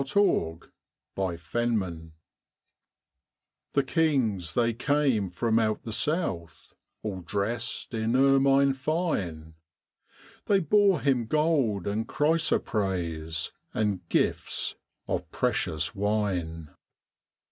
Christmas Carol The kings they came from out the south, All dressed in ermine fine, They bore Him gold and chrysoprase, And gifts of precious wine.